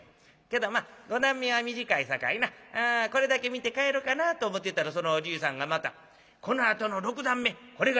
けどまあ五段目は短いさかいなこれだけ見て帰ろうかなと思ってたらそのおじいさんがまた『このあとの六段目これがよろしい。